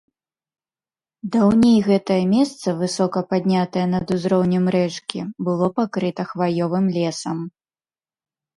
Даўней гэтае месца, высока паднятае над узроўнем рэчкі, было пакрыта хваёвым лесам.